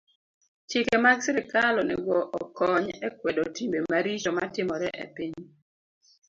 Chike mag sirkal onego okony e kwedo timbe maricho matimore e piny.